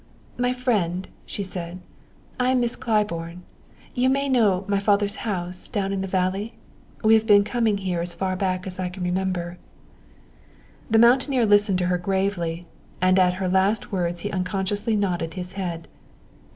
"My friend," she said, "I am Miss Claiborne. You may know my father's house down in the valley. We have been coming here as far back as I can remember." The mountaineer listened to her gravely, and at her last words he unconsciously nodded his head.